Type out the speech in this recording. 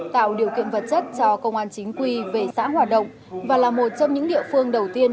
tạo điều kiện vật chất cho công an chính quy về xã hoạt động và là một trong những địa phương đầu tiên